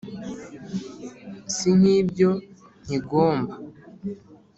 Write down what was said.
Si nk'ibyo nkigomba